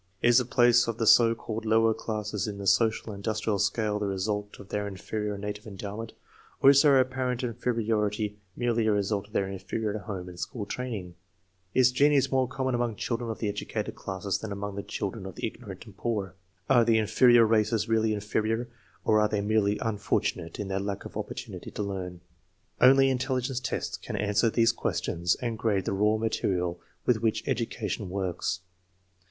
Is the place of the so called lower classes in the social and industrial scale the result of their inferior native endowment, or is their apparent inferiority merely a result of their inferior home and school training? Is genius more common among children of the educated classes than among the children of the ignorant and poor? 20 THE MEASUREMENT OF INTELLIGENCE Are the inferior races really inferior, or are they merely unfortunate in their lack of opportunity to learn? Only intelligence tests can answer these questions and grade the raw material with which education works.